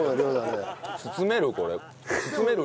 包める？